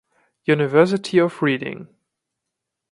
University of Reading.